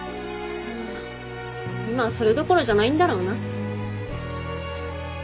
今はそれどころじゃないんだろうな。